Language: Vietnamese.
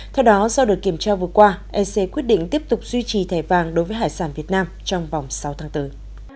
theo đó sau được kiểm tra vừa qua ec quyết định tiếp tục duy trì thẻ vàng đối với hải sản việt nam trong vòng sáu tháng tới